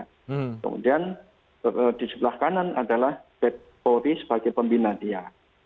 kemudian di sebelah kanan adalah bepori sebagai pembina dia